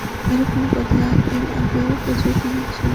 এরকম কথা এর আগেও প্রচুর শুনেছি!